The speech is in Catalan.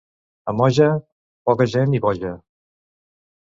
A Moja, poca gent i boja.